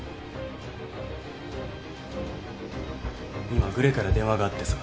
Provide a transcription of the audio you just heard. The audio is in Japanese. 今グレから電話があってさ。